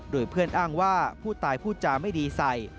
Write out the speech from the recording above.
โดยเพื่อนอ้างว่าผู้ตายพูดจาไม่ดีใส่